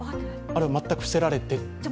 あれは全く伏せられていたと。